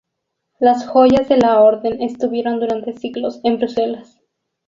Las joyas de la orden estuvieron durante siglos en Bruselas.